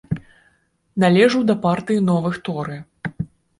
Належыў да партыі новых торы.